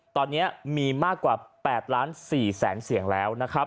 ตอนนี้มีมากกว่า๘๔๐๐๐๐๐เสียงแล้ว